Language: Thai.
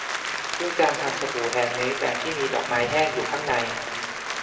ด้วยการทำสบู่แฮนด์เมดแบบที่มีดอกไม้แห้งอยู่ข้างใน